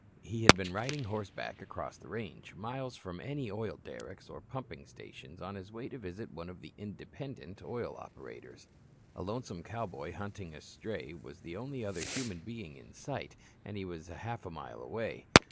He had been riding horseback across the range, miles from any oil derricks or pumping stations, on his way to visit one of the "independent" oil operators. A lonesome cowboy hunting a stray was the only other human being in sight, and he was a half mile away.